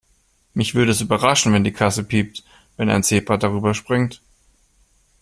Mich würde es überraschen, wenn die Kasse piept, wenn ein Zebra darüberspringt.